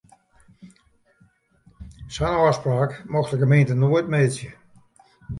Sa'n ôfspraak mocht de gemeente noait meitsje.